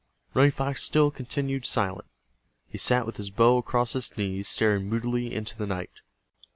Running Fox still continued silent. He sat with his bow across his knees, staring moodily into the night.